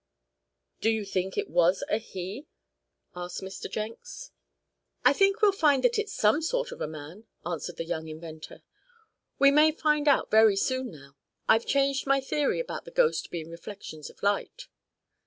"Do you think it was a 'he'?" asked Mr. Jenks. "I think we'll find that it's some sort of a man," answered the young inventor. "We may find out very soon, now. I've changed my theory about the ghost being reflections of light."